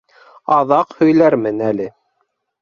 Аҙаҡ һөйләрмен әле...